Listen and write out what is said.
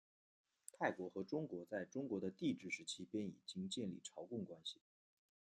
泰国和中国在中国的帝制时期便已经建立朝贡关系。